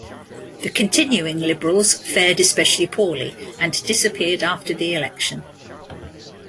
The Continuing Liberals fared especially poorly, and disappeared after the election.